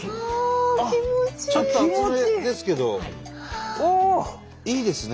ちょっと熱めですけどいいですね。